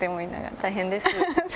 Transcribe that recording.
大変です。